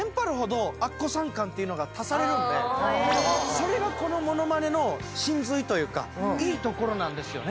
それがこのモノマネの神髄というかいいところなんですよね。